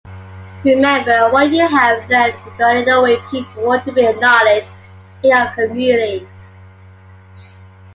Remember what you have learned regarding the way people want to be acknowledge in your community.